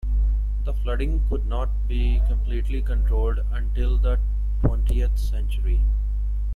The flooding could not be completely controlled until the twentieth century.